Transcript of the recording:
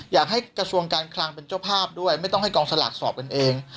อยากให้กระทรวงการคลังเป็นเจ้าภาพด้วยไม่ต้องให้กองสลากสอบกันเอง